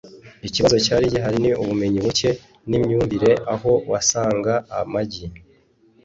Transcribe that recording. Ikibazo cyari gihari ni ubumenyi buke n’imyumvire aho wasanga amagi